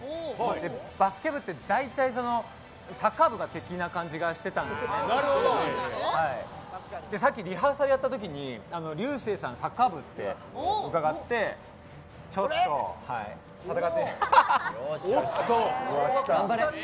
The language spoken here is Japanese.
バスケ部ってだいたいサッカー部が敵な感じがしてたのでさっきリハーサルやったときに竜星さんサッカー部って伺ってちょっと戦ってみたいなと。